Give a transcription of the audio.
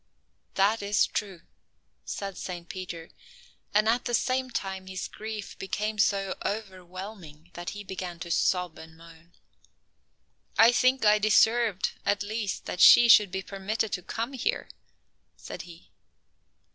"That is true," said Saint Peter, and at the same time his grief became so overwhelming that he began to sob and moan. "I think I deserved at least that she should be permitted to come here," said he.